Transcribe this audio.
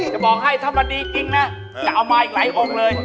จะบอกให้ถ้ามันดีจริงนะจะเอามาอีกหลายองค์เลย